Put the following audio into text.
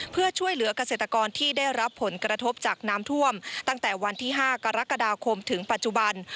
เพื่อช่วยเหลือกเกษตรกรที่ได้รับผลกระทบจากน้ำท่วมตั้งแต่วันที่๕กรกฎาคมถึงปัจจุบัน